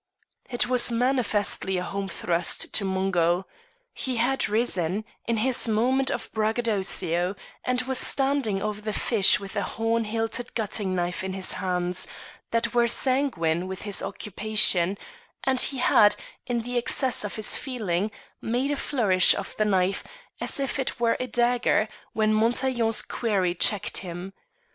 It was manifestly a home thrust to Mungo. He had risen, in his moment of braggadocio, and was standing over the fish with a horn hilted gutting knife in his hands, that were sanguine with his occupation, and he had, in the excess of his feeling, made a flourish of the knife, as if it were a dagger, when Montaiglon's query checked him.